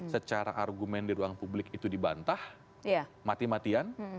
secara argumen di ruang publik itu dibantah mati matian